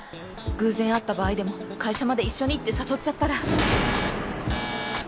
偶然会った場合でも「会社まで一緒に」って誘っちゃったら